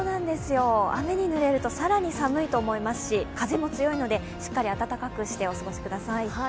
雨にぬれると更に寒いと思いますし風も強いので、しっかり温かくしてお過ごしください。